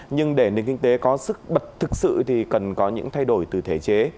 nhưng để nền kinh tế có sức bật thực sự thì cần có những thay đổi từ thể chế